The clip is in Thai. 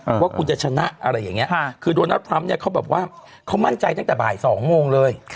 ว่าคุณจะชนะอะไรอย่างนี้คือโดนัลดทรัมป์เนี่ยเขาบอกว่าเขามั่นใจตั้งแต่บ่ายสองโมงเลย